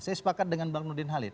saya sepakat dengan bang nurdin halid